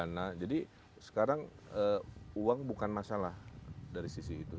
nah jadi sekarang uang bukan masalah dari sisi itu